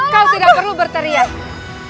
kau di tempatku gusti ratu